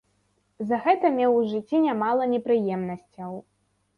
За гэта меў у жыцці нямала непрыемнасцяў.